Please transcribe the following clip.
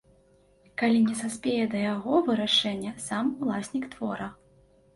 Калі не саспее да яго вырашэння сам уласнік твора.